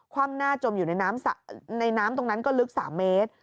ว่ำหน้าจมอยู่ในน้ำตรงนั้นก็ลึก๓เมตร